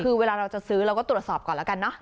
คือเวลาเราจะซื้อเราก็ตรวจสอบก่อนแล้วกันเนอะ